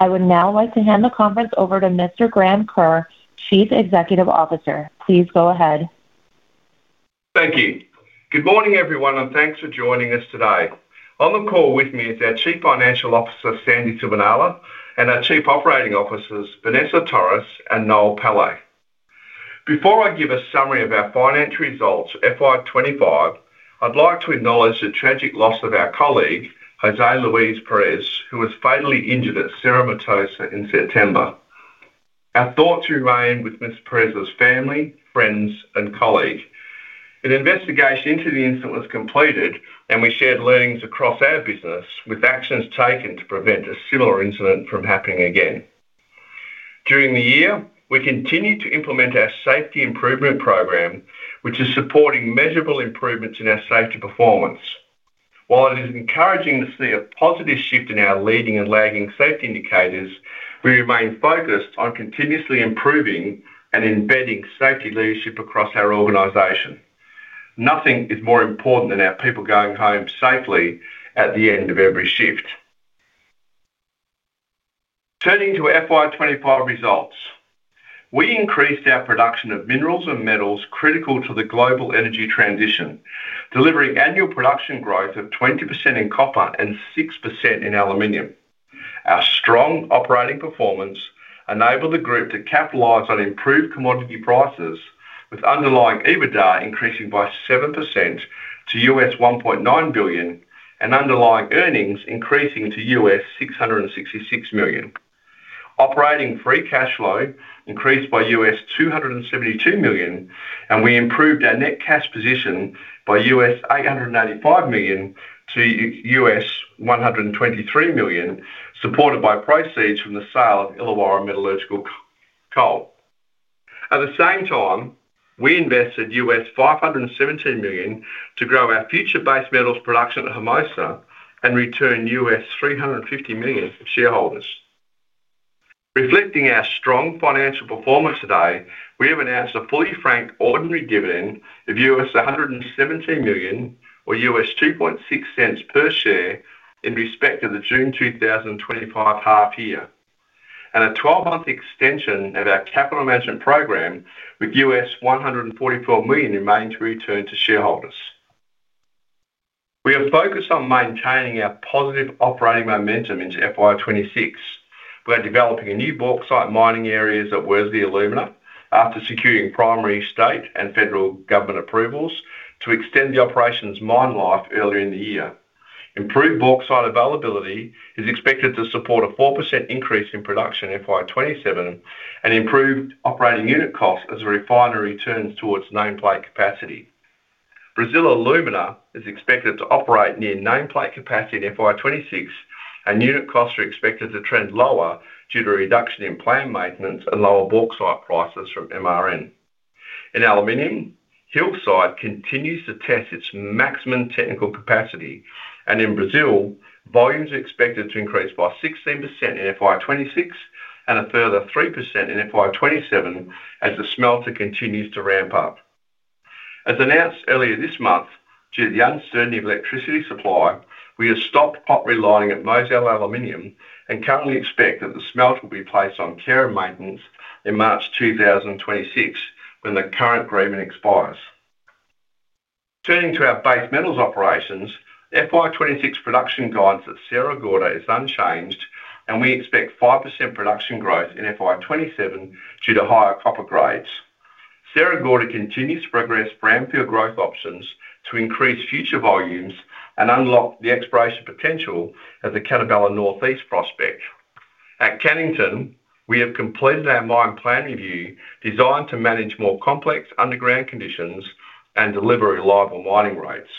I would now like to hand the conference over to Mr. Graham Kerr, Chief Executive Officer. Please go ahead. Thank you. Good morning, everyone, and thanks for joining us today. On the call with me is our Chief Financial Officer, Sandy Sibenaler, and our Chief Operating Officers, Vanessa Torres and Noel Pillay. Before I give a summary of our financial results for FY25, I'd like to acknowledge the tragic loss of our colleague, José Luis Pérez, who was fatally injured at Cerro Matoso in September. Our thoughts remain with Mr. Pérez's family, friends, and colleagues. An investigation into the incident was completed, and we shared learnings across our business with actions taken to prevent a similar incident from happening again. During the year, we continued to implement our Safety Improvement Program, which is supporting measurable improvements in our safety performance. While it is encouraging to see a positive shift in our leading and lagging safety indicators, we remain focused on continuously improving and embedding safety leadership across our organization. Nothing is more important than our people going home safely at the end of every shift. Turning to FY25 results, we increased our production of minerals and metals critical to the global energy transition, delivering annual production growth of 20% in copper and 6% in aluminium. Our strong operating performance enabled the group to capitalize on improved commodity prices, with underlying EBITDA increasing by 7% to $1.9 billion and underlying earnings increasing to $666 million. Operating free cash flow increased by $272 million, and we improved our net cash position by $895 million to $123 million, supported by proceeds from the sale of Illawarra Metallurgical Coal. At the same time, we invested $517 million to grow our future-based metals production at Hermosa and returned $350 million to shareholders. Reflecting our strong financial performance today, we have announced a $0.40 ordinary dividend of $117 million, or $2.60 per share in respect to the June 2025 half year, and a 12-month extension of our capital management program with $144 million remaining to return to shareholders. We are focused on maintaining our positive operating momentum into FY26. We are developing new bauxite mining areas at Worsley Alumina after securing primary state and federal government approvals to extend the operation's mine life earlier in the year. Improved bauxite availability is expected to support a 4% increase in production in FY27 and improved operating unit costs as the refinery turns towards nameplate capacity. Brazil Alumina is expected to operate near nameplate capacity in FY26, and unit costs are expected to trend lower due to a reduction in plant maintenance and lower bauxite prices from MRN. In aluminium, Hillside continues to test its maximum technical capacity, and in Brazil, volumes are expected to increase by 16% in FY26 and a further 3% in FY27 as the smelter continues to ramp up. As announced earlier this month, due to the uncertainty of electricity supply, we have stopped pot relighting at Mozal Aluminium and currently expect that the smelter will be placed on care and maintenance in March 2026 when the current agreement expires. Turning to our base metals operations, FY26 production guidance at Sierra Gorda is unchanged, and we expect 5% production growth in FY27 due to higher copper grades. Sierra Gorda continues to progress brownfield growth options to increase future volumes and unlock the exploration potential of the Catabela Northeast prospect. At Cannington, we have completed our mine plan review designed to manage more complex underground conditions and deliver reliable mining rates.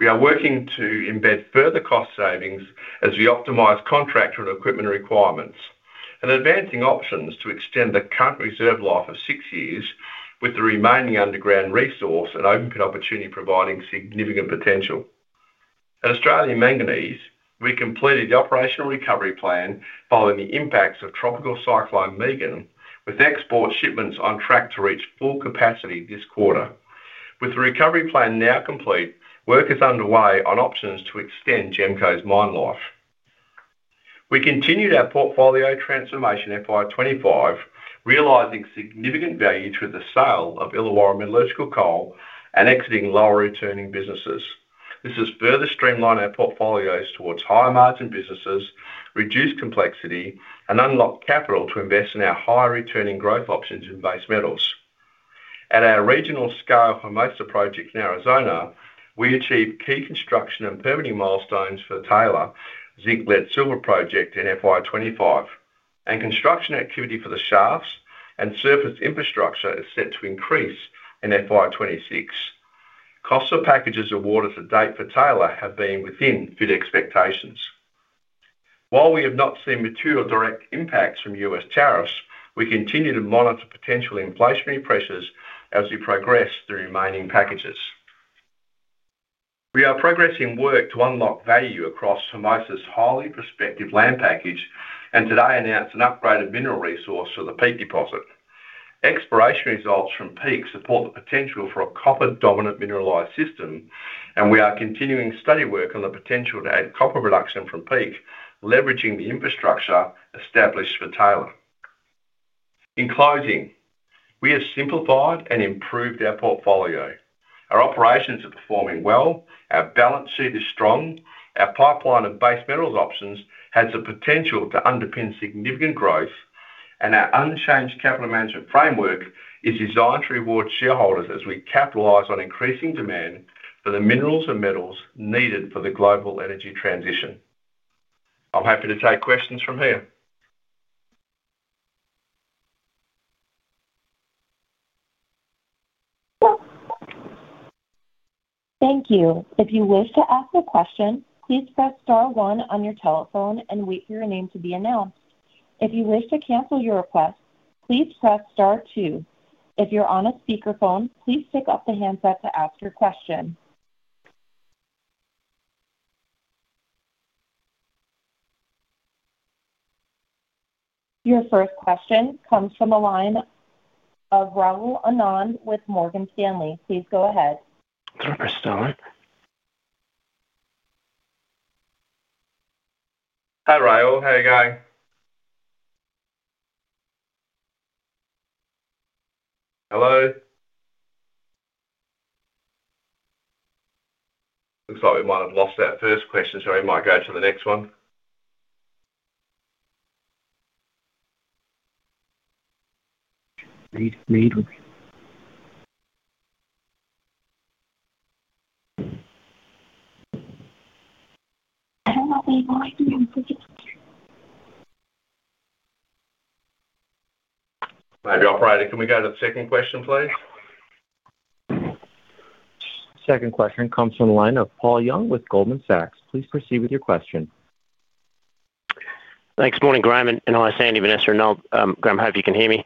We are working to embed further cost savings as we optimize contractor and equipment requirements and advancing options to extend the current reserve life of six years with the remaining underground resource and open pit opportunity providing significant potential. At Australia Manganese, we completed the operational recovery plan following the impacts of Tropical Cyclone Megan, with export shipments on track to reach full capacity this quarter. With the recovery plan now complete, work is underway on options to extend GEMCO's mine life. We continued our portfolio transformation in FY25, realizing significant value through the sale of Illawarra Metallurgical Coal and exiting lower returning businesses. This has further streamlined our portfolio towards higher margin businesses, reduced complexity, and unlocked capital to invest in our higher returning growth options in base metals. At our regional scale Hermosa project in Arizona, we achieved key construction and permitting milestones for the Taylor zinc-lead-silver project in FY25, and construction activity for the shafts and surface infrastructure is set to increase in FY26. Costs for packages of water to date for Taylor have been within expectations. While we have not seen material direct impacts from U.S. tariffs, we continue to monitor potential inflationary pressures as we progress the remaining packages. We are progressing work to unlock value across Hermosa's highly prospective land package, and today announced an upgraded mineral resource for the Peak Deposit. Exploration results from Peak support the potential for a copper-dominant mineralized system, and we are continuing study work on the potential to add copper production from Peak, leveraging the infrastructure established for Taylor. In closing, we have simplified and improved our portfolio. Our operations are performing well, our balance sheet is strong, our pipeline of base metals options has the potential to underpin significant growth, and our unchanged capital management framework is designed to reward shareholders as we capitalize on increasing demand for the minerals and metals needed for the global energy transition. I'm happy to take questions from here. Thank you. If you wish to ask a question, please press star one on your telephone and wait for your name to be announced. If you wish to cancel your request, please press star two. If you're on a speakerphone, please take off the handset to ask your question. Your first question comes from a line of Rahul Anand with Morgan Stanley. Please go ahead. Can I press star eight? Hi, Rahul. How are you going? Hello? Looks like we might have lost our first question, so we might go to the next one. Maybe, operator, can we go to the second question, please? Second question comes from a line of Paul Young with Goldman Sachs. Please proceed with your question. Thanks. Morning, Graham. Hello, Sandy, Vanessa, and Noel. Graham, I hope you can hear me.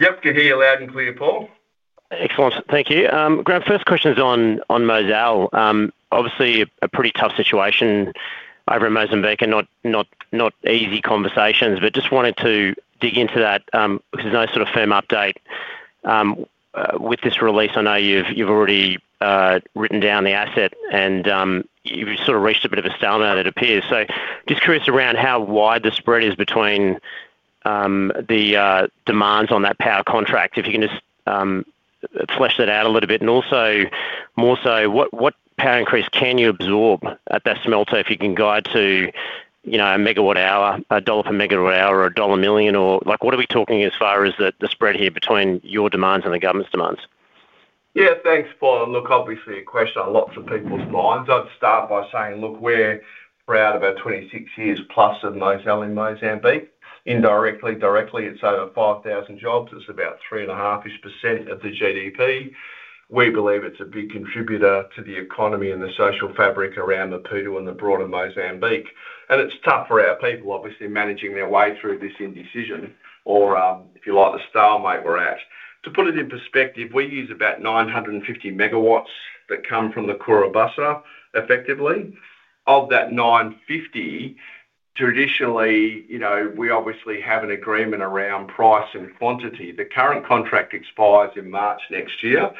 Yep, can hear you loud and clear, Paul. Excellent. Thank you. Graham, first question is on Mozal. Obviously, a pretty tough situation over in Mozambique. Not easy conversations, just wanted to dig into that. There's no sort of firm update with this release. I know you've already written down the asset and you've sort of reached a bit of a stalemate, it appears. Just curious around how wide the spread is between the demands on that power contract. If you can just flesh that out a little bit. Also, more so, what power increase can you absorb at that smelter if you can guide to, you know, a megawatt hour, a dollar per megawatt hour, or a dollar million, or like what are we talking as far as the spread here between your demands and the government's demands? Yeah, thanks, Paul. Obviously, a question on lots of people's minds. I'd start by saying, look, we're proud o`f our 26+ years of Mozal in Mozambique. Indirectly, directly, it's over 5,000 jobs. It's about 3.5% of the GDP. We believe it's a big contributor to the economy and the social fabric around the pool and the broader Mozambique. It's tough for our people, obviously, managing their way through this indecision or, if you like, the stalemate we're at. To put it in perspective, we use about 950 MW that come from the Cahora Bassa effectively. Of that 950 MW, traditionally, we obviously have an agreement around price and quantity. The current contract expires in March next year.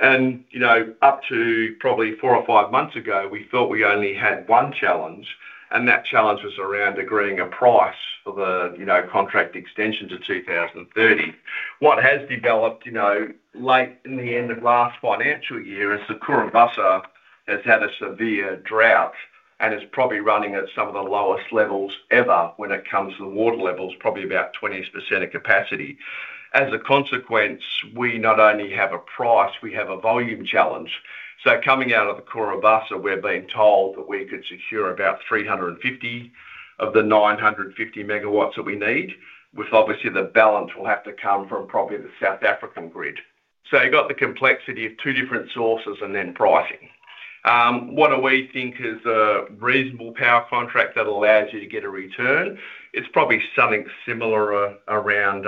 Up to probably four or five months ago, we thought we only had one challenge, and that challenge was around agreeing a price for the contract extension to 2030. What has developed late in the end of last financial year is the Cahora Bassa has had a severe drought and is probably running at some of the lowest levels ever when it comes to the water levels, probably about 20% of capacity. As a consequence, we not only have a price, we have a volume challenge. Coming out of the Cahora Bassa, we're being told that we could secure about 350 MW of the 950 MW that we need, with the balance having to come from probably the South African grid. You've got the complexity of two different sources and then pricing. What do we think is a reasonable power contract that allows you to get a return? It's probably something similar around,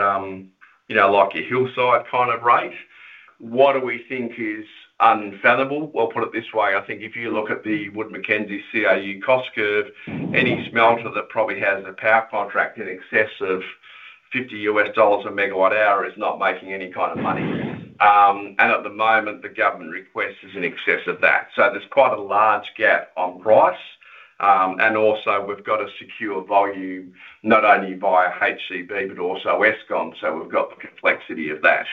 you know, like a Hillside kind of rate. What do we think is unfathomable? Put it this way, I think if you look at the Wood Mackenzie CIU cost curve, any smelter that probably has a power contract in excess of $50 a MWh is not making any kind of money, and at the moment, the government request is in excess of that. There's quite a large gap on price, and also we've got to secure volume not only via HCB but also Eskom. We've got the complexity of that.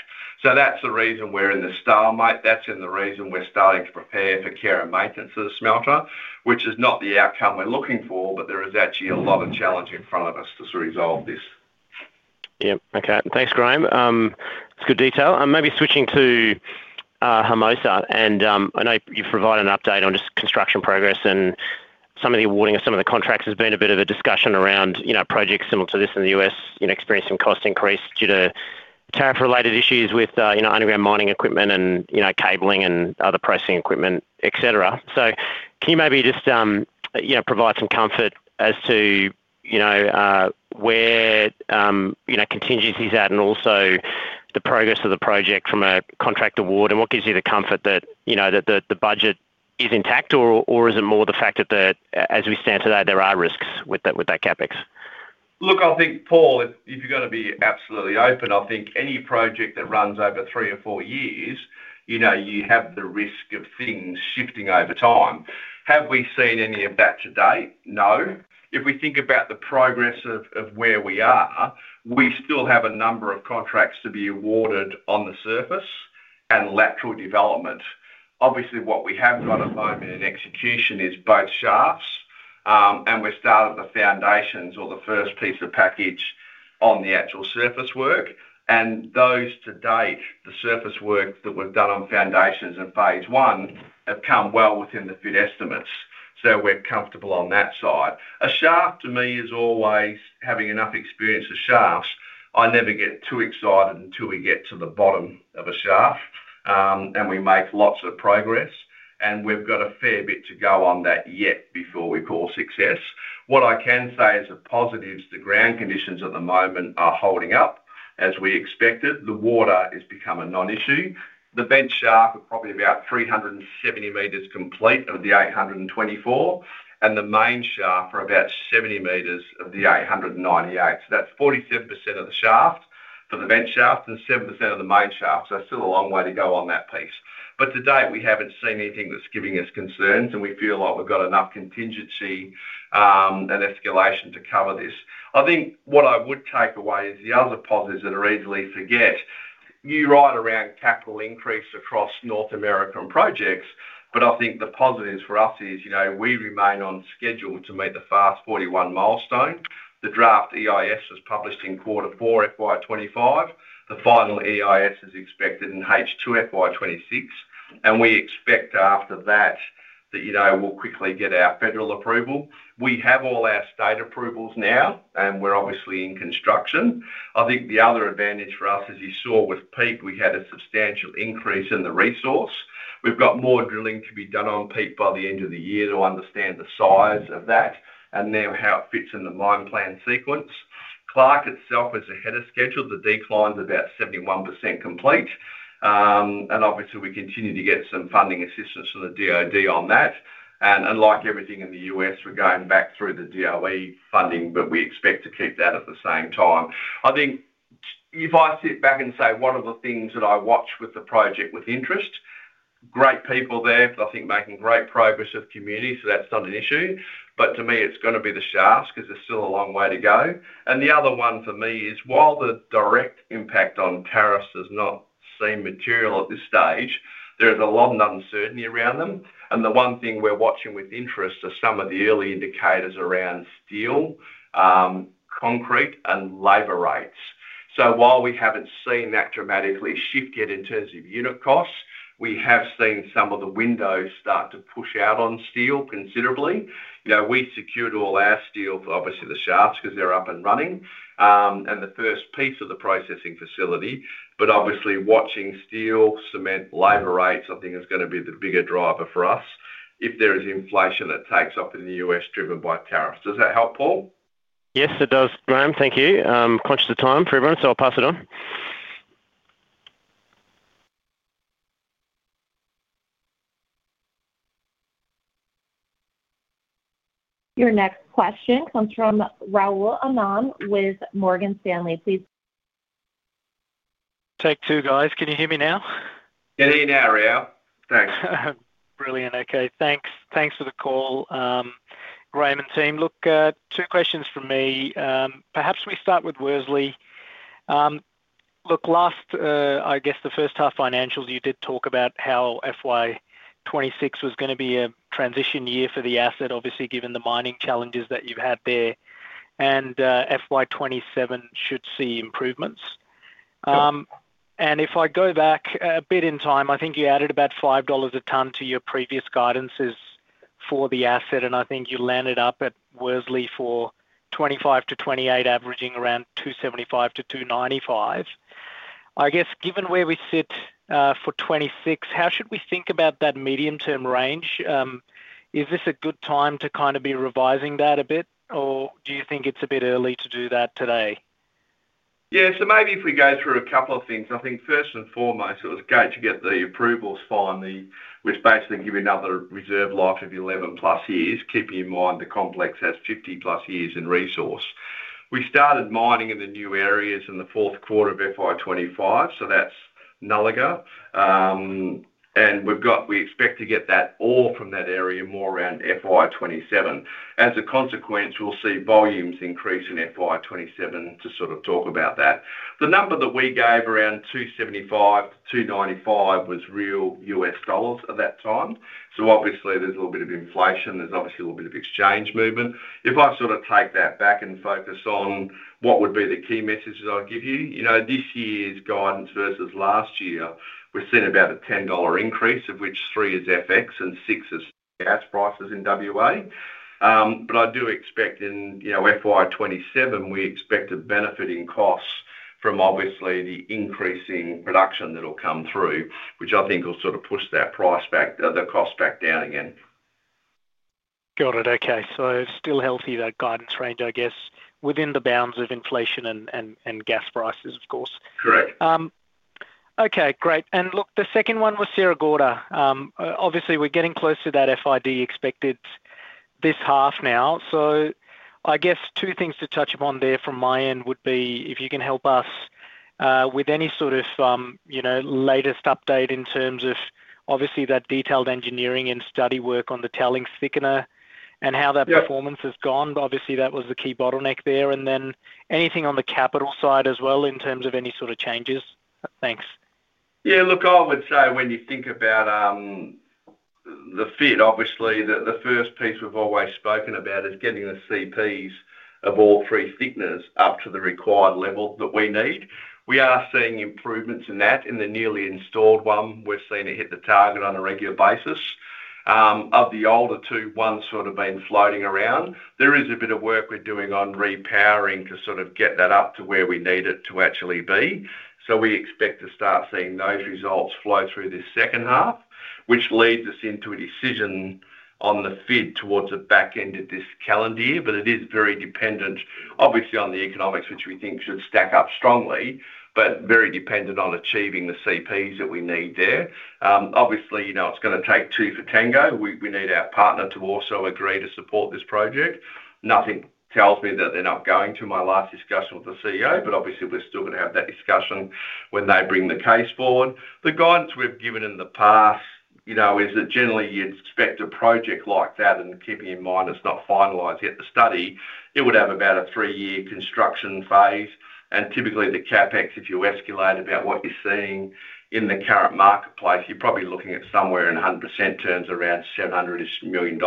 That's the reason we're in the stalemate. That's the reason we're starting to prepare for care and maintenance of the smelter, which is not the outcome we're looking for, but there is actually a lot of challenge in front of us to resolve this. Yep. Okay. Thanks, Graham. Good detail. Maybe switching to Hermosa. I know you've provided an update on just construction progress and some of the awarding of some of the contracts. There's been a bit of a discussion around projects similar to this in the U.S. experiencing cost increase due to tariff-related issues with underground mining equipment and cabling and other processing equipment, et cetera. Can you maybe just provide some comfort as to where contingencies are at and also the progress of the project from a contract award and what gives you the comfort that the budget is intact or is it more the fact that, as we stand today, there are risks with that CapEx? Look, I think, Paul, if you're going to be absolutely open, I think any project that runs over three or four years, you know, you have the risk of things shifting over time. Have we seen any of that to date? No. If we think about the progress of where we are, we still have a number of contracts to be awarded on the surface and lateral development. Obviously, what we have got to focus on in execution is both shafts, and we started the foundations or the first piece of package on the actual surface work. Those to date, the surface work that was done on foundations in phase one have come well within the bid estimates, so we're comfortable on that side. A shaft, to me, is always having enough experience with shafts. I never get too excited until we get to the bottom of a shaft and we make lots of progress. We've got a fair bit to go on that yet before we call success. What I can say is the positives, the ground conditions at the moment are holding up as we expected. The water has become a non-issue. The bench shaft is probably about 370 m complete of the 824 m, and the main shaft is about 70 m of the 898 m. That's 47% of the shaft for the bench shaft and 7% of the main shaft. Still a long way to go on that piece. To date, we haven't seen anything that's giving us concerns, and we feel like we've got enough contingency and escalation to cover this. I think what I would take away is the other positives that are easily forgotten. You're right around capital increase across North American projects, but I think the positives for us is, you know, we remain on schedule to meet the FAST-41 milestone. The draft EIS was published in quarter four, FY25. The final EIS is expected in H2 FY26, and we expect after that that, you know, we'll quickly get our federal approval. We have all our state approvals now, and we're obviously in construction. I think the other advantage for us, as you saw with Peak, we had a substantial increase in the resource. We've got more drilling to be done on Peak by the end of the year to understand the size of that and now how it fits in the mine plan sequence. Clark itself was ahead of schedule. The decline is about 71% complete, and obviously, we continue to get some funding assistance from the DOD on that. Unlike everything in the U.S., we're going back through the DOE funding, but we expect to keep that at the same time. I think if I sit back and say one of the things that I watch with the project with interest, great people there, I think making great progress with the community. That's not an issue. To me, it's going to be the shafts because there's still a long way to go. The other one for me is while the direct impact on tariffs has not seemed material at this stage, there is a lot of uncertainty around them. The one thing we're watching with interest are some of the early indicators around steel, concrete, and labor rates. While we haven't seen that dramatically shift yet in terms of unit costs, we have seen some of the windows start to push out on steel considerably. We secured all our steel for obviously the shafts because they're up and running, and the first piece of the processing facility. Obviously, watching steel, cement, labor rates, I think is going to be the bigger driver for us if there is inflation that takes off in the U.S. driven by tariffs. Does that help, Paul? Yes, it does, Graham. Thank you. Conscious of time for everyone, I'll pass it on. Your next question comes from Rahul Anand with Morgan Stanley. Please. Take two, guys. Can you hear me now? Can you hear me now, Rahul? Thanks. Brilliant. Okay. Thanks. Thanks for the call, Graham and team. Look, two questions from me. Perhaps we start with Worsley. Last, I guess the first half financials, you did talk about how FY26 was going to be a transition year for the asset, obviously given the mining challenges that you've had there. FY27 should see improvements. If I go back a bit in time, I think you added about $5 a tonne to your previous guidances for the asset, and I think you landed up at Worsley for 2025 to 2028, averaging around $275-$295. Given where we sit for 2026, how should we think about that medium-term range? Is this a good time to kind of be revising that a bit, or do you think it's a bit early to do that today? Yeah. Maybe if we go through a couple of things, I think first and foremost, it was great to get the approvals for the Wisconsin, giving another reserve life of 11+ years, keeping in mind the complex has 50+ years in resource. We started mining in the new areas in the fourth quarter of FY25, so that's nulliger. We've got, we expect to get that all from that area more around FY27. As a consequence, we'll see volumes increase in FY27 to sort of talk about that. The number that we gave around $275-$295 was real U.S. dollars at that time. Obviously, there's a little bit of inflation. There's obviously a little bit of exchange movement. If I sort of take that back and focus on what would be the key messages I'll give you, you know, this year's guidance versus last year, we've seen about a $10 increase, of which three is FX and six is gas prices in WA. I do expect in, you know, FY27, we expect a benefit in costs from obviously the increasing production that will come through, which I think will sort of push that price back, the costs back down again. Got it. Okay. Still healthy, that guidance range, I guess, within the bounds of inflation and gas prices, of course. Okay, great. The second one was Sierra Gorda. Obviously, we're getting close to that FID expected this half now. I guess two things to touch upon there from my end would be if you can help us with any sort of latest update in terms of obviously that detailed engineering and study work on the tailing thickener and how that performance has gone. Obviously, that was the key bottleneck there. Anything on the capital side as well in terms of any sort of changes. Thanks. Yeah, look, I would say when you think about the fit, obviously, the first piece we've always spoken about is getting the CPs of all three thickeners up to the required level that we need. We are seeing improvements in that. In the newly installed one, we've seen it hit the target on a regular basis. Of the older two, one's sort of been floating around. There is a bit of work we're doing on repowering to sort of get that up to where we need it to actually be. We expect to start seeing those results flow through this second half, which leads us into a decision on the fit towards the back end of this calendar year. It is very dependent, obviously, on the economics, which we think should stack up strongly, but very dependent on achieving the CPs that we need there. Obviously, you know, it's going to take two for Tango. We need our partner to also agree to support this project. Nothing tells me that they're not going to, my last discussion with the CEO, but obviously, we're still going to have that discussion when they bring the case forward. The guidance we've given in the past, you know, is that generally you'd expect a project like that, and keeping in mind it's not finalized yet, the study, it would have about a three-year construction phase. Typically, the CapEx, if you escalate about what you're seeing in the current marketplace, you're probably looking at somewhere in 100% terms around $700 million.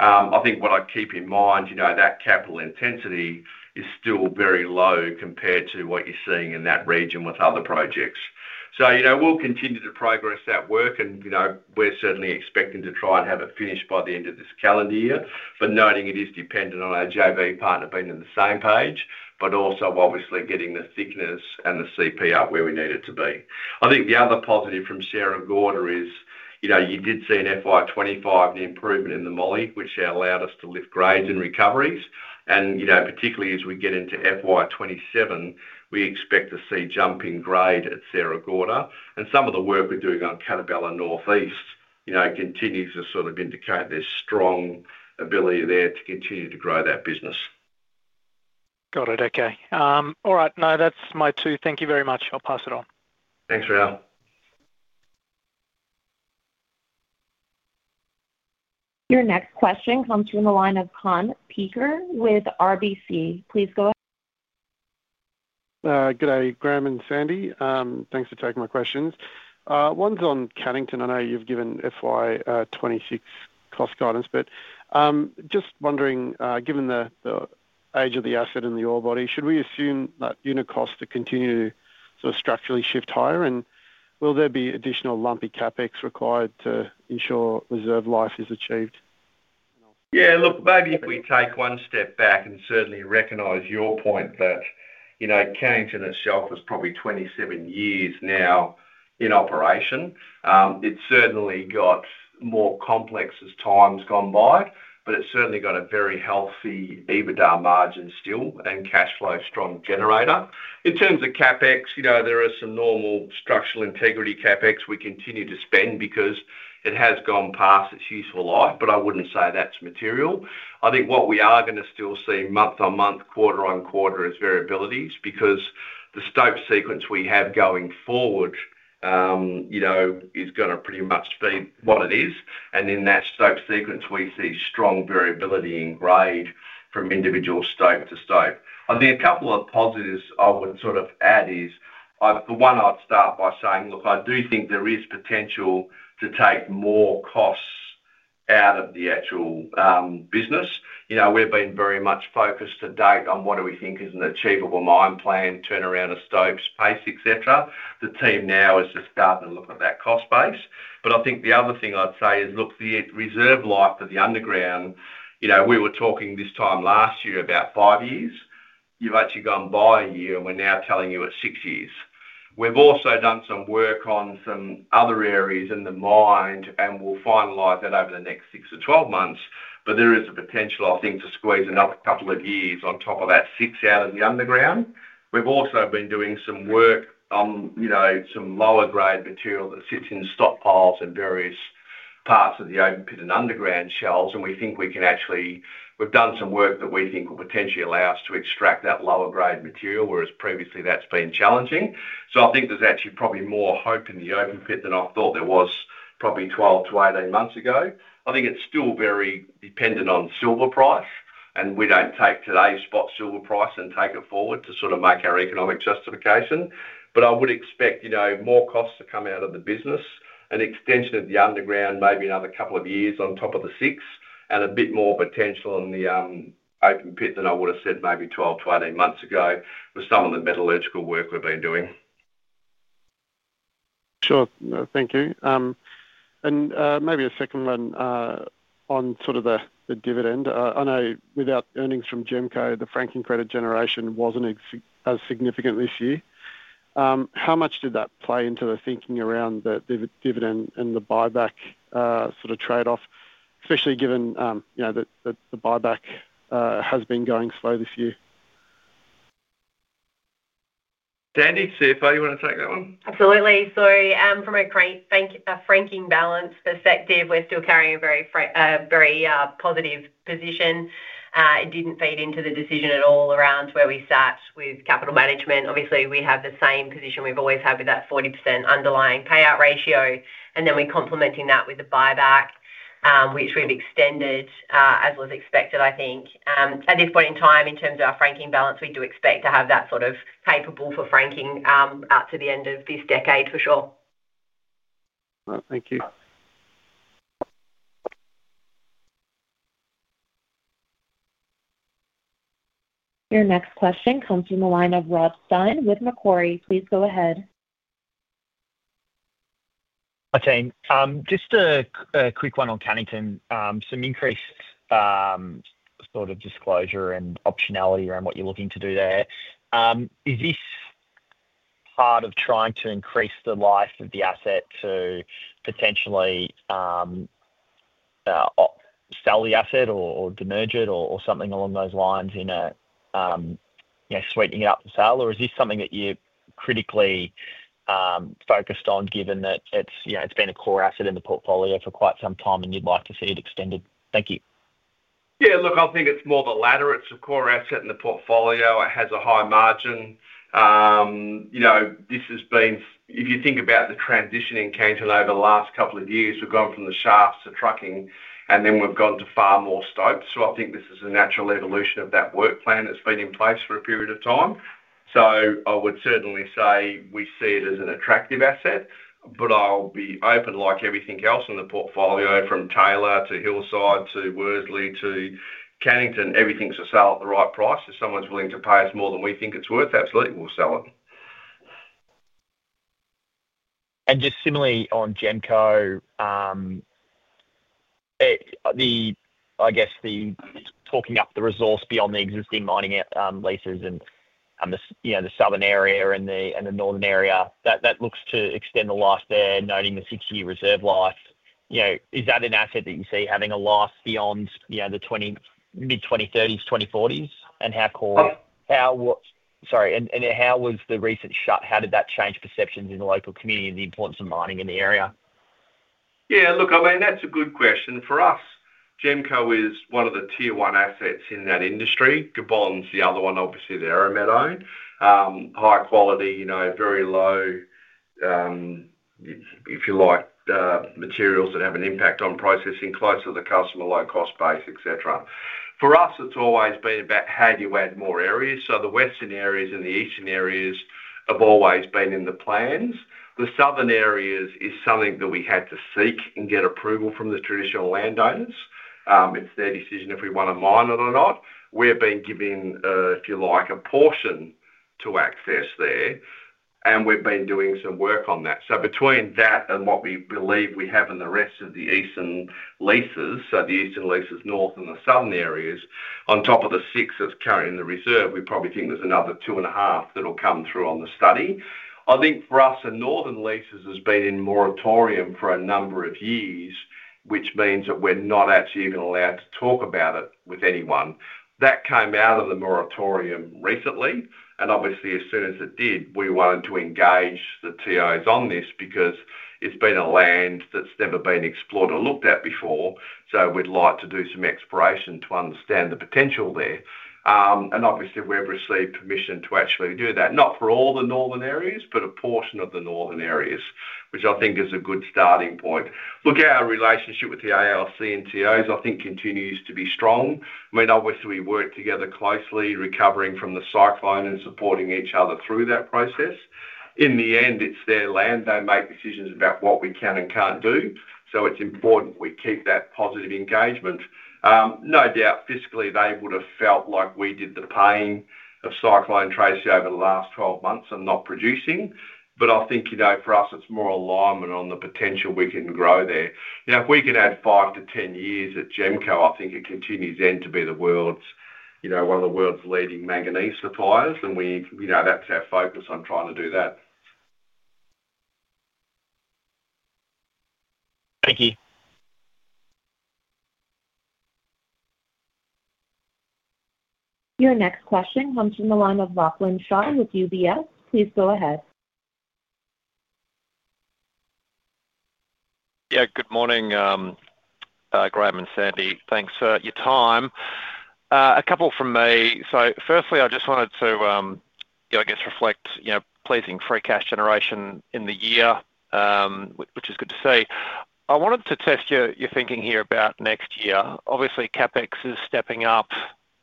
I think what I'd keep in mind, you know, that capital intensity is still very low compared to what you're seeing in that region with other projects. We'll continue to progress that work, and we're certainly expecting to try and have it finished by the end of this calendar year, but noting it is dependent on our JV partner being on the same page, but also obviously getting the thickeners and the CP out where we need it to be. I think the other positive from Sierra Gorda is, you know, you did see in FY25 an improvement in the moly, which allowed us to lift grades and recoveries. Particularly as we get into FY27, we expect to see a jump in grade at Sierra Gorda. Some of the work we're doing on Catabela Northeast, you know, continues to sort of indicate this strong ability there to continue to grow that business. Got it. Okay. All right. No, that's my two. Thank you very much. I'll pass it on. Thanks, Rahul. Your next question comes from the line of Kaan Peker with RBC. Please go ahead. Good day, Graham and Sandy. Thanks for taking my questions. One's on Cannington. I know you've given FY26 cost guidance, but just wondering, given the age of the asset and the ore body, should we assume that unit costs continue to sort of structurally shift higher? Will there be additional lumpy CapEx required to ensure reserve life is achieved? Yeah, look, maybe if we take one step back and certainly recognize your point that, you know, Cannington itself was probably 27 years now in operation. It's certainly got more complex as time's gone by, but it's certainly got a very healthy EBITDA margin still and cash flow strong generator. In terms of CapEx, you know, there are some normal structural integrity CapEx we continue to spend because it has gone past its useful life, but I wouldn't say that's material. I think what we are going to still see month on month, quarter on quarter is variabilities because the stope sequence we have going forward, you know, is going to pretty much be what it is. In that stope sequence, we see strong variability in grade from individual stope to stope. I think a couple of positives I would sort of add is, I for one, I'd start by saying, look, I do think there is potential to take more costs out of the actual business. You know, we've been very much focused to date on what do we think is an achievable mine plan, turnaround of stopes, pace, et cetera. The team now is just starting to look at that cost base. I think the other thing I'd say is, look, the reserve life for the underground, you know, we were talking this time last year about five years. You've actually gone by a year, and we're now telling you it's six years. We've also done some work on some other areas in the mine, and we'll finalize that over the next 6 months-12 months. There is a potential, I think, to squeeze another couple of years on top of that six out of the underground. We've also been doing some work on, you know, some lower grade material that sits in stockpiles and various parts of the open pit and underground shelves. We think we can actually, we've done some work that we think will potentially allow us to extract that lower grade material, whereas previously that's been challenging. I think there's actually probably more hope in the open pit than I thought there was probably 12 months-18 months ago. It's still very dependent on silver price, and we don't take today's spot silver price and take it forward to sort of make our economic justification. I would expect, you know, more costs to come out of the business, an extension of the underground, maybe another couple of years on top of the six, and a bit more potential on the open pit than I would have said maybe 12 months-18 months ago with some of the metallurgical work we've been doing. Sure. No, thank you. Maybe a second one on the dividend. I know without earnings from GEMCO, the franked credit generation wasn't as significant this year. How much did that play into the thinking around the dividend and the buyback trade-off, especially given that the buyback has been going slow this year? Sandy, CFO, you want to take that one? Absolutely. From a franking balance perspective, we're still carrying a very, very positive position. It didn't feed into the decision at all around where we sat with capital management. Obviously, we have the same position we've always had with that 40% underlying payout ratio, and we're complementing that with the buyback, which we've extended as was expected, I think. At this point in time, in terms of our franking balance, we do expect to have that sort of capable for franking out to the end of this decade for sure. Thank you. Your next question comes from the line of Rob Stein with Macquarie. Please go ahead. Hi, team. Just a quick one on Cannington. Some increased sort of disclosure and optionality around what you're looking to do there. Is this part of trying to increase the life of the asset to potentially sell the asset or demerge it or something along those lines, sweeping it up for sale? Or is this something that you're critically focused on given that it's been a core asset in the portfolio for quite some time and you'd like to see it extended? Thank you. Yeah, look, I think it's more the latter. It's a core asset in the portfolio. It has a high margin. You know, this has been, if you think about the transition in Cannington over the last couple of years, we've gone from the shafts to trucking, and then we've gone to far more stopes. I think this is a natural evolution of that work plan that's been in place for a period of time. I would certainly say we see it as an attractive asset, but I'll be open, like everything else in the portfolio, from Taylor to Hillside to Worsley to Cannington, everything's for sale at the right price. If someone's willing to pay us more than we think it's worth, absolutely, we'll sell it. Just similarly on GEMCO, I guess the talking up the resource beyond the existing mining leases and the southern area and the northern area, that looks to extend the life there, noting the six-year reserve life. Is that an asset that you see having a life beyond the mid-2030s, 2040s? How was the recent shut? How did that change perceptions in the local community and the importance of mining in the area? Yeah, look, I mean, that's a good question. For us, GEMCO is one of the tier one assets in that industry. Gibbons, the other one, obviously, they're a med owner. High quality, you know, very low, if you like, materials that have an impact on processing close to the customer, low cost base, etc. For us, it's always been about how do you add more areas. The western areas and the eastern areas have always been in the plans. The southern areas are something that we had to seek and get approval from the traditional landowners. It's their decision if we want to mine it or not. We've been given, if you like, a portion to access there. We've been doing some work on that. Between that and what we believe we have in the rest of the eastern leases, so the eastern leases, north and the southern areas, on top of the six that's currently in the reserve, we probably think there's another two and a half that will come through on the study. I think for us, the northern leases have been in moratorium for a number of years, which means that we're not actually even allowed to talk about it with anyone. That came out of the moratorium recently. Obviously, as soon as it did, we wanted to engage the TOs on this because it's been a land that's never been explored or looked at before. We'd like to do some exploration to understand the potential there. Obviously, we've received permission to actually do that, not for all the northern areas, but a portion of the northern areas, which I think is a good starting point. Look at our relationship with the ALC and TOs. I think it continues to be strong. Obviously, we work together closely, recovering from the cyclone and supporting each other through that process. In the end, it's their land. They make decisions about what we can and can't do. It's important we keep that positive engagement. No doubt fiscally, they would have felt like we did the pain of Cyclone Tracy over the last 12 months and not producing. I think, you know, for us, it's more alignment on the potential we can grow there. If we can add five to ten years at GEMCO, I think it continues then to be one of the world's leading manganese suppliers. That's our focus on trying to do that. Thank you. Your next question comes from the line of Lachlan Shaw with UBS. Please go ahead. Yeah, good morning, Graham and Sandy. Thanks for your time. A couple from me. Firstly, I just wanted to reflect, you know, pleasing free cash generation in the year, which is good to see. I wanted to test your thinking here about next year. Obviously, CapEx is stepping up,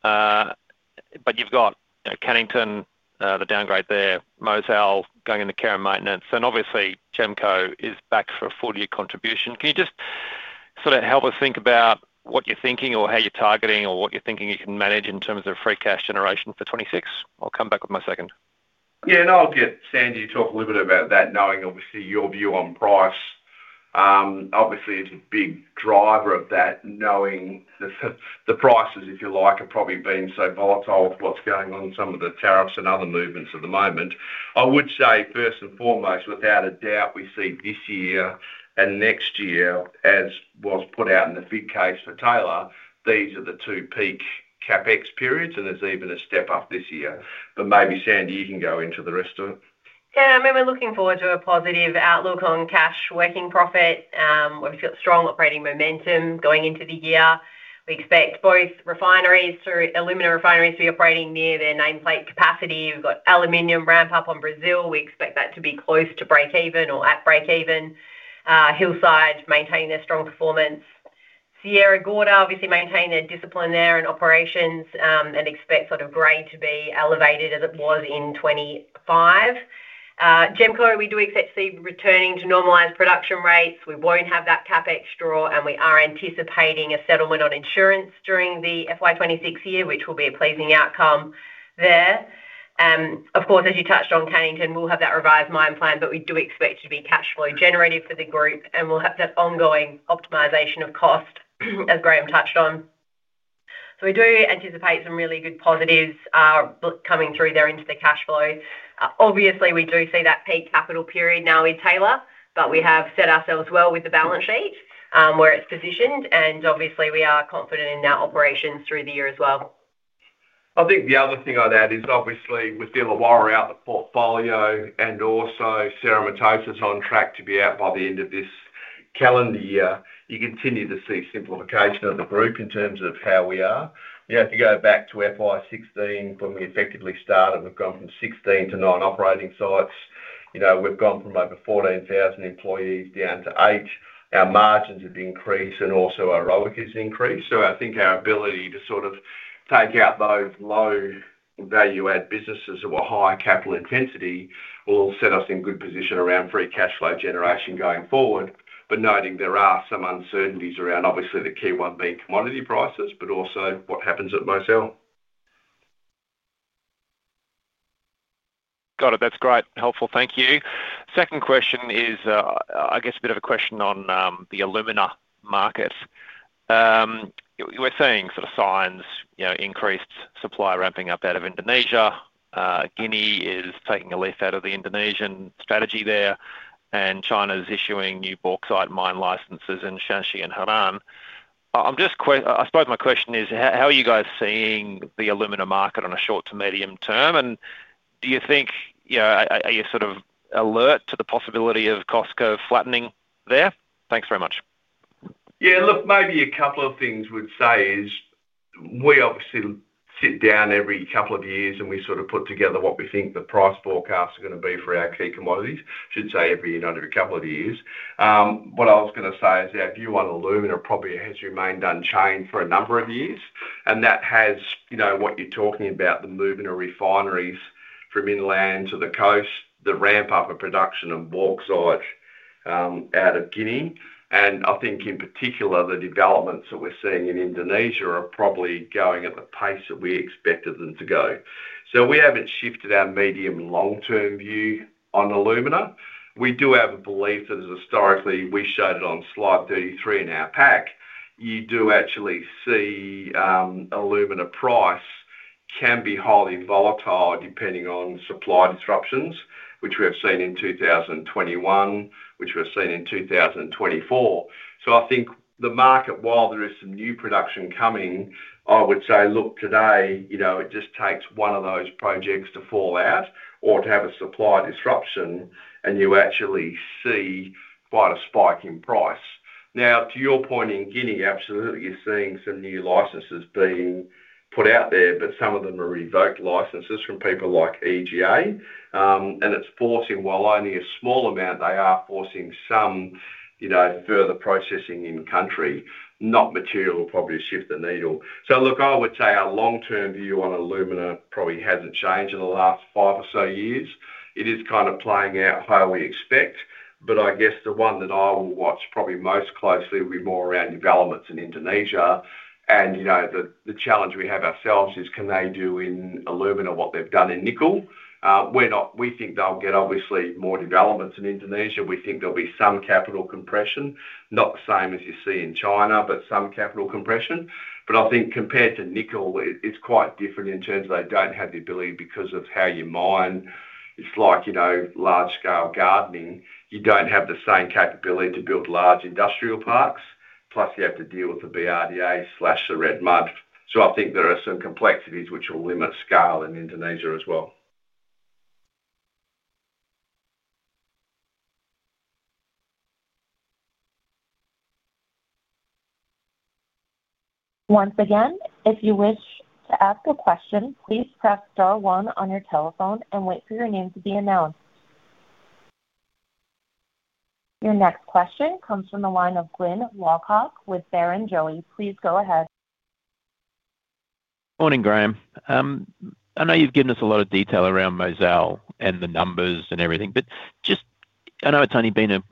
but you've got Cannington, the downgrade there, Mozal going into care and maintenance, and obviously, GEMCO is back for a full-year contribution. Can you just sort of help us think about what you're thinking or how you're targeting or what you're thinking you can manage in terms of free cash generation for 2026? I'll come back with my second. Yeah, and I'll get Sandy to talk a little bit about that, knowing obviously your view on price. Obviously, it's a big driver of that, knowing the prices, if you like, are probably being so volatile with what's going on, some of the tariffs and other movements at the moment. I would say, first and foremost, without a doubt, we see this year and next year, as was put out in the big case for Taylor, these are the two peak CapEx periods, and there's even a step up this year. Maybe, Sandy, you can go into the rest of it. Yeah, I mean, we're looking forward to a positive outlook on cash working profit. We've got strong operating momentum going into the year. We expect both refineries, aluminum refineries, to be operating near their nameplate capacity. We've got aluminium ramp up on Brazil. We expect that to be close to break-even or at break-even. Hillside maintain their strong performance. Sierra Gorda obviously maintained their discipline there in operations and expect sort of grade to be elevated as it was in 2025. GEMCO, we do expect to see returning to normalized production rates. We won't have that CapEx draw, and we are anticipating a settlement on insurance during the FY26 year, which will be a pleasing outcome there. Of course, as you touched on, Cannington, we'll have that revised mine plan, but we do expect to be cash flow generative for the group, and we'll have that ongoing optimization of cost, as Graham touched on. We do anticipate some really good positives coming through there into the cash flow. Obviously, we do see that peak capital period now in Taylor, but we have set ourselves well with the balance sheet where it's positioned, and obviously, we are confident in our operations through the year as well. I think the other thing I'd add is obviously we're still a while out of the portfolio, and also Cerro Matoso is on track to be out by the end of this calendar year. You continue to see simplification of the group in terms of how we are. You have to go back to FY16 when we effectively started. We've gone from 16 to 9 operating sites. We've gone from over 14,000 employees down to 8,000. Our margins have increased and also our ROIC has increased. I think our ability to sort of take out those low value-add businesses that were higher capital intensity will all set us in good position around free cash flow generation going forward. There are some uncertainties around obviously the key ones being commodity prices, but also what happens at Mozal. That's great. Helpful. Thank you. Second question is, I guess, a bit of a question on the alumina markets. We're seeing sort of signs, you know, increased supply ramping up out of Indonesia. Guinea is taking a lift out of the Indonesian strategy there, and China is issuing new bauxite mine licenses in Shanxi and Henan. I suppose my question is, how are you guys seeing the alumina market on a short to medium term? Do you think, you know, are you sort of alert to the possibility of cost curve flattening there? Thanks very much. Yeah, look, maybe a couple of things we'd say is we obviously sit down every couple of years and we sort of put together what we think the price forecasts are going to be for our key commodities. I should say every couple of years. What I was going to say is that if you want, alumina probably has remained unchanged for a number of years. That has, you know, what you're talking about, the movement of refineries from inland to the coast, the ramp-up of production and bauxite out of Guinea. I think in particular, the developments that we're seeing in Indonesia are probably going at the pace that we expected them to go. We haven't shifted our medium long-term view on alumina. We do have a belief that historically we showed it on slot 33 in our pack. You do actually see alumina price can be highly volatile depending on supply disruptions, which we have seen in 2021, which we've seen in 2024. I think the market, while there is some new production coming, I would say look today, it just takes one of those projects to fall out or to have a supply disruption and you actually see quite a spike in price. To your point in Guinea, absolutely, you're seeing some new licenses being put out there, but some of them are revoked licenses from people like EGA. It's forcing, while only a small amount, they are forcing some further processing in country. Not material will probably shift the needle. I would say our long-term view on alumina probably hasn't changed in the last five or so years. It is kind of playing out how we expect. I guess the one that I will watch probably most closely will be more around developments in Indonesia. You know, the challenge we have ourselves is can they do in alumina what they've done in nickel? We think they'll get obviously more developments in Indonesia. We think there'll be some capital compression, not the same as you see in China, but some capital compression. I think compared to nickel, it's quite different in terms of they don't have the ability because of how you mine. It's like large-scale gardening. You don't have the same capability to build large industrial parks. Plus, you have to deal with the BRDA slash the red mud. I think there are some complexities which will limit scale in Indonesia as well. Once again, if you wish to ask a question, please press star one on your telephone and wait for your name to be announced. Your next question comes from the line of Glyn Lawcock with Barrenjoey. Please go ahead. Morning, Graham. I know you've given us a lot of detail around Mozal and the numbers and everything, but I know it's only been a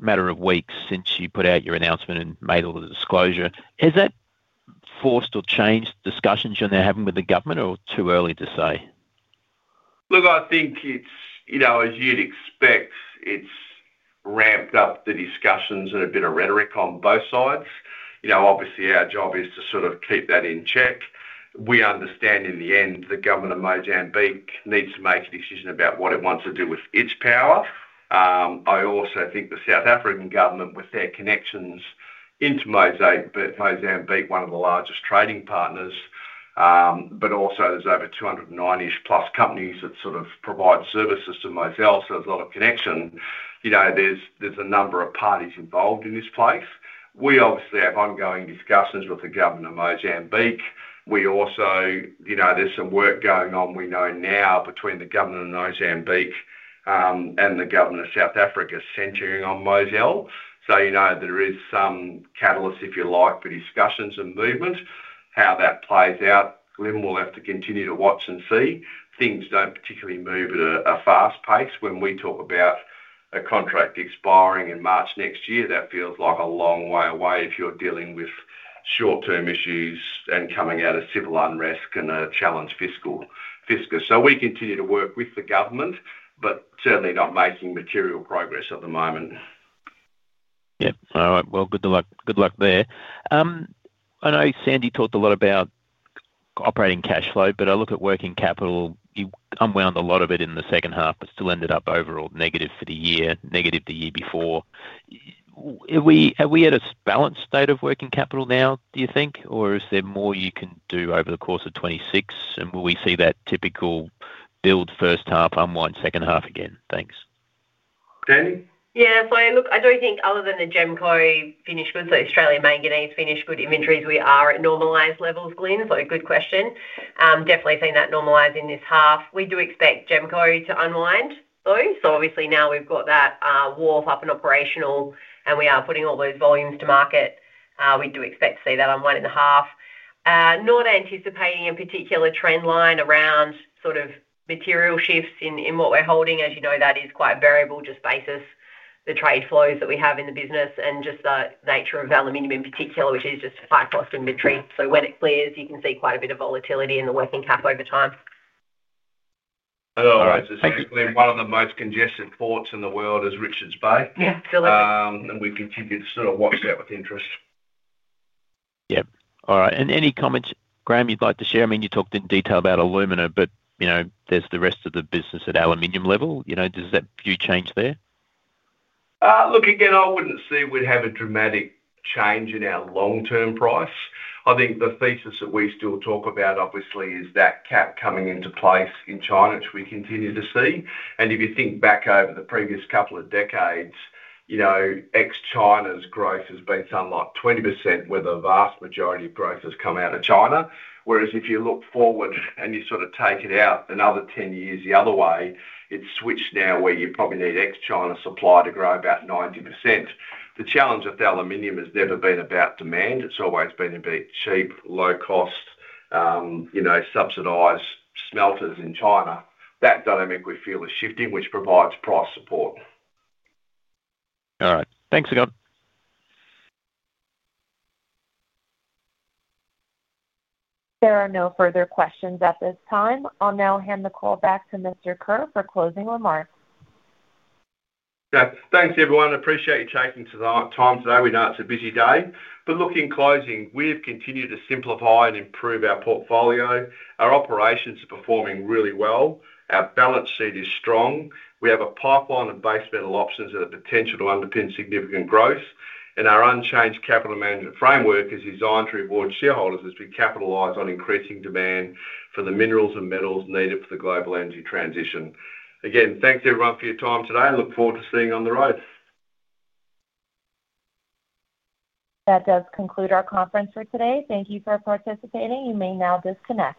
matter of weeks since you put out your announcement and made all the disclosure. Has that forced or changed discussions you're now having with the government or too early to say? Look, I think it's, you know, as you'd expect, it's ramped up the discussions and a bit of rhetoric on both sides. Obviously, our job is to sort of keep that in check. We understand in the end, the government of Mozambique needs to make a decision about what it wants to do with its power. I also think the South African government with their connections into Mozambique, one of the largest trading partners, but also there's over 209+ companies that sort of provide services to Mozal, so there's a lot of connection. There's a number of parties involved in this place. We obviously have ongoing discussions with the government of Mozambique. We also know now there's some work going on between the government of Mozambique and the government of South Africa centering on Mozal. There is some catalyst, if you like, for discussions and movement. How that plays out, Glyn will have to continue to watch and see. Things don't particularly move at a fast pace. When we talk about a contract expiring in March next year, that feels like a long way away if you're dealing with short-term issues and coming out of civil unrest and a challenged fiscal. We continue to work with the government, but certainly not making material progress at the moment. All right. Good luck there. I know Sandy talked a lot about operating cash flow, but I look at working capital. You unwound a lot of it in the second half, but still ended up overall negative for the year, negative the year before. Are we at a balanced state of working capital now, do you think, or is there more you can do over the course of 2026? Will we see that typical build first half, unwind second half again? Thanks. Yeah, I don't think other than the GEMCO finish, but the Australia Manganese finish, but inventories, we are at normalized levels, Glyn. Good question. Definitely seeing that normalizing this half. We do expect GEMCO to unwind though. Obviously now we've got that warm up and operational, and we are putting all those volumes to market. We do expect to see that unwind in the half. Not anticipating a particular trend line around sort of material shifts in what we're holding. As you know, that is quite variable, just basis the trade flows that we have in the business and just the nature of aluminium in particular, which is just high cost inventory. When it clears, you can see quite a bit of volatility in the working cap over time. All right. Technically, one of the most congested ports in the world is Richards Bay. We continue to sort of watch that with interest. All right. Any comments, Graham, you'd like to share? I mean, you talked in detail about alumina, but you know, there's the rest of the business at aluminium level. You know, does that view change there? Look, again, I wouldn't see we'd have a dramatic change in our long-term price. I think the thesis that we still talk about, obviously, is that cap coming into place in China, which we continue to see. If you think back over the previous couple of decades, ex-China's growth has been something like 20%, where the vast majority of growth has come out of China. If you look forward and you sort of take it out another 10 years the other way, it's switched now where you probably need ex-China supply to grow about 90%. The challenge of the aluminium has never been about demand. It's always been a bit cheap, low cost, subsidized smelters in China. That dynamic we feel is shifting, which provides price support. All right, thanks again. There are no further questions at this time. I'll now hand the call back to Mr. Kerr for closing remarks. Thanks everyone. I appreciate you taking the time today. We know it's a busy day. In closing, we've continued to simplify and improve our portfolio. Our operations are performing really well. Our balance sheet is strong. We have a pipeline of base metal options that have the potential to underpin significant growth. Our unchanged capital management framework is designed to reward shareholders as we capitalize on increasing demand for the minerals and metals needed for the global energy transition. Again, thanks everyone for your time today and look forward to seeing you on the road. That does conclude our conference for today. Thank you for participating. You may now disconnect.